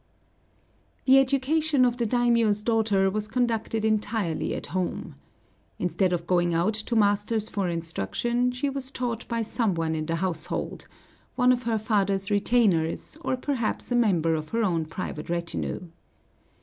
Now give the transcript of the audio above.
The education of the daimiō's daughter was conducted entirely at home. Instead of going out to masters for instruction, she was taught by some one in the household, one of her father's retainers, or perhaps a member of her own private retinue.